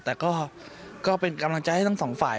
แต่ก็เป็นกำลังใจให้ทั้งสองฝ่าย